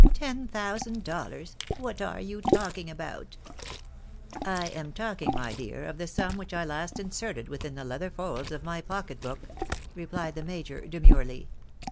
"Ten thousand dollars! What are you talking about ?"" I am talking, my dear, of the sum which I last inserted within the leather folds of my pocket book," replied the major, demurely.